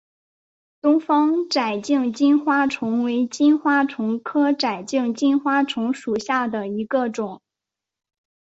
东方窄颈金花虫为金花虫科窄颈金花虫属下的一个种。